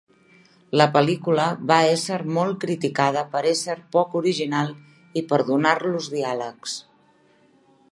La pel·lícula va ésser molt criticada per ésser poc original, i per donar-los diàlegs.